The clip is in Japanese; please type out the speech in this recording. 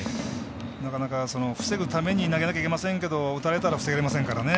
なかなか防ぐために投げなくてはいけませんけど打たれたら防げませんからね。